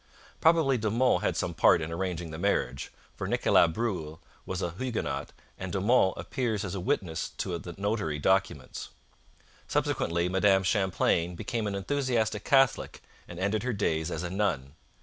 Probably De Monts had some part in arranging the marriage, for Nicholas Boulle was a Huguenot and De Monts appears as a witness to the notarial documents. Subsequently, Madame Champlain became an enthusiastic Catholic and ended her days as a nun.